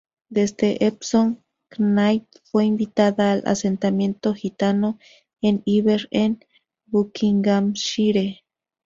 Desde Epsom Knight fue invitada al asentamiento gitano en Iver en Buckinghamshire.